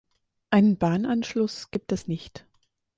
Einen Bahnanschluss gibt es nicht.